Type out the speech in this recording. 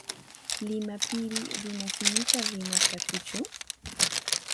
Limapiri runasimita rimasqakuchu?